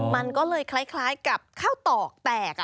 มันก็เลยคล้ายกับข้าวตอกแตก